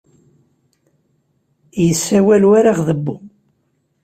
Yessawal war aɣdebbu.